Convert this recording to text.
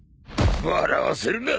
笑わせるな！